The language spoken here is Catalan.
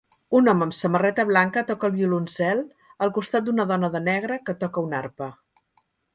Un home amb samarreta blanca toca el violoncel al costat d'una dona de negre que toca una arpa